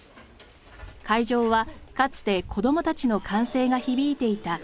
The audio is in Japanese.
会場はかつて子どもたちの歓声が響いていた小学校です。